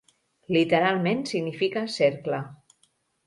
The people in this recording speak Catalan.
Literalment significa cercle.